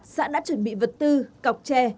xã đã chuẩn bị vật tư cọc tre